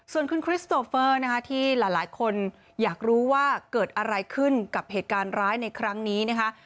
ส่วนคุณคริสโตเฟอร์นะคะที่หลายคนอยากรู้ว่าเกิดอะไรขึ้นกับเหตุการณ์ร้ายในครั้งนี้นะคะ